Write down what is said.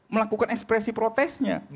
melakukan ekspresi protesnya